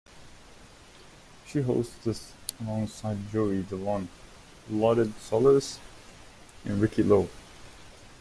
She hosts this alongside Joey De Leon, Lolit Solis, and Ricky Lo.